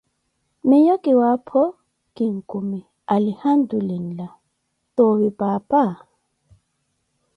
miyo kiwaapho kinkumi alihamtulillah, toovi paapa?